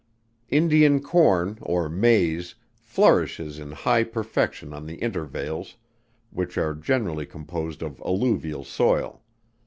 Indian Corn or Maize, flourishes in high perfection on the intervales, which are generally composed of alluvial soil.